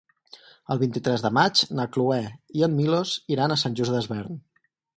El vint-i-tres de maig na Cloè i en Milos iran a Sant Just Desvern.